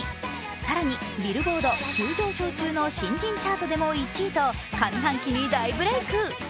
更に、Ｂｉｌｌｂｏａｒｄ急上昇中の新人チャートでも１位と、上半期に大ブレーク。